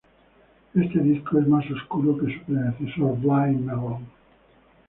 Este disco es más oscuro que su predecesor, "Blind Melon".